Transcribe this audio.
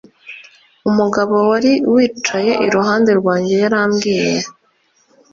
Umugabo wari wicaye iruhande rwanjye yarambwiye